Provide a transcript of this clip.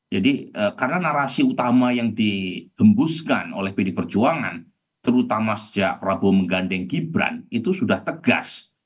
jadi karena narasi utama yang dihembuskan oleh pdi perjuangan terutama sejak prabowo menggandeng gibran itu sudah tegas